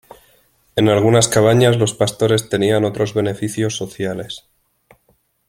En algunas cabañas los pastores tenían otros beneficios sociales.